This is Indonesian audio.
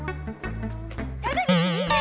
gateng ini ini ini